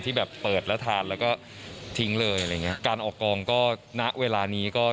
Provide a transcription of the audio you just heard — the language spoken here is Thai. ที่แบบเปิดแล้วทานแล้วก็ทิ้งเลยอะไรอย่างเงี้ยการออกกองก็ณเวลานี้ก็